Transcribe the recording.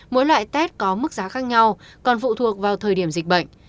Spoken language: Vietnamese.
mỗi loại tết có mức giá khác nhau còn phụ thuộc vào thời điểm dịch bệnh